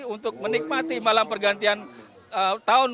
untuk menikmati malam pergantian tahun